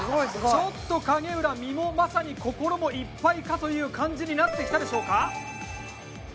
ちょっと影浦身もまさに心もいっぱいかという感じになってきたでしょうか？